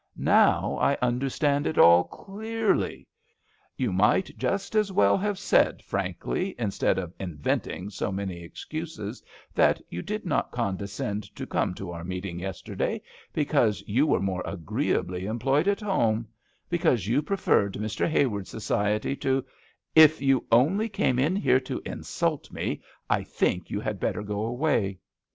" Now I understand it all clearly. You might just as well have said frankly, instead of invent ing so many excuses, that you did not condescend to come to our meeting yesterday because you were more agreeably em ployed at home — because you preferred Mr, Hayward's society to "" If you only came in here to insult me I think you had better go away."